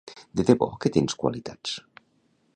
De debò que tens qualitats.